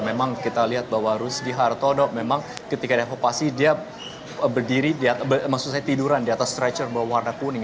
memang kita lihat bahwa rustihartono memang ketika ada evokasi dia berdiri maksud saya tiduran di atas stretcher berwarna kuning